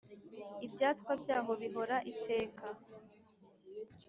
ibyatwa byaho bihora iteka